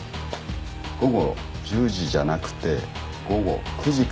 午後１０時じゃなくて午後９時から１１時の間。